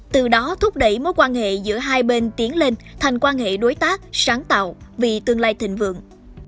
từ đó thúc đẩy mối quan hệ giữa hai bên tiến lên thành quan hệ đối tác sáng tạo vì tương lai thịnh vượng